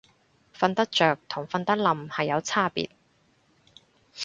瞓得着同瞓得稔係有差別